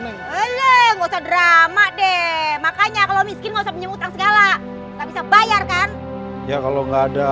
enggak drama deh makanya kalau miskin ngomong utang segala bisa bayarkan ya kalau nggak ada